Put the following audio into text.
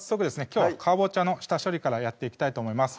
きょうはかぼちゃの下処理からやっていきたいと思います